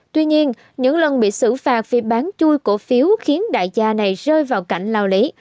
tuy nhiên những lần bị xử phạt vì bán chui cổ phiếu khiến đại gia này rơi vào cảnh lao lý